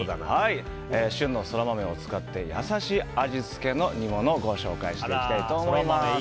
旬のソラマメを使って優しい味付けの煮物をご紹介していきたいと思います。